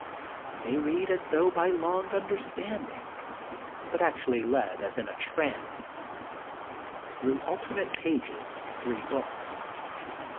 They read as thongh by long understanding, but actually led as in a trance, through alternate pages of the three books.